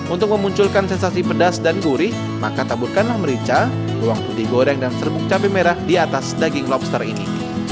untuk memunculkan sensasi pedas dan gurih maka taburkanlah merica bawang putih goreng dan serbuk cabai merah di atas daging lobster ini